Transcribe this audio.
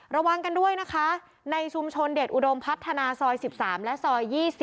ระวังกันด้วยนะคะในชุมชนเดชอุดมพัฒนาซอย๑๓และซอย๒๐